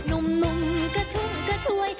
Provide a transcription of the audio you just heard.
หนุ่มกระชุ่มกระชวย